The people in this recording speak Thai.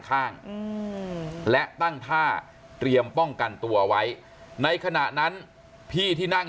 ข้างและตั้งท่าเตรียมป้องกันตัวไว้ในขณะนั้นพี่ที่นั่ง